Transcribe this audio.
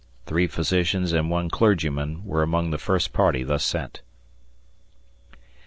Three physicians and one clergyman were among the first party thus sent."